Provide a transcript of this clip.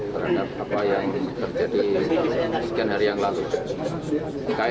terhadap apa yang terjadi sekian hari yang lalu